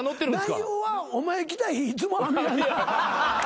内容はお前来た日いつも雨やな。